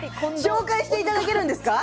紹介していただけるんですか？